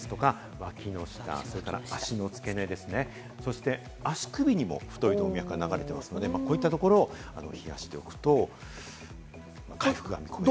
具体的には首筋、脇の下、足の付け根ですね、そして足首にも太い動脈が流れているので、こういったところを冷やしておくと回復が見込めます。